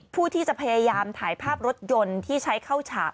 ผู้ที่จะพยายามถ่ายภาพรถยนต์ที่ใช้เข้าฉาก